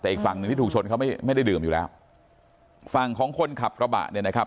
แต่อีกฝั่งหนึ่งที่ถูกชนเขาไม่ไม่ได้ดื่มอยู่แล้วฝั่งของคนขับกระบะเนี่ยนะครับ